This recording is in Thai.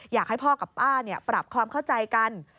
อยากให้พ่อกับป้าปรับความเข้าใจกัน